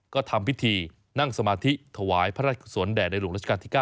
ก็ทำพิธีนั่งสมาธิถวายพระราชกุศลแด่ในหลวงราชการที่๙